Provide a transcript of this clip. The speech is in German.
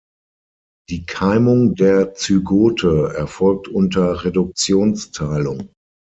Die Keimung der Zygote erfolgt unter Reduktionsteilung.